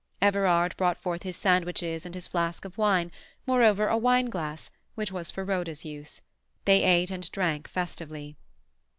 Everard brought forth his sandwiches and his flask of wine, moreover a wine glass, which was for Rhoda's use. They ate and drank festively.